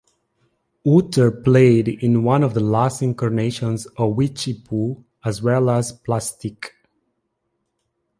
Utter played in one of the last incarnations of Witchypoo, as well as Plastique.